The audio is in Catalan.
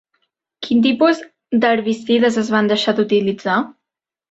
Quin tipus d'herbicides es van deixar d'utilitzar?